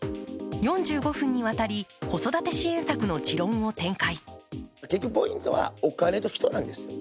４５分にわたり、子育て支援策の持論を展開。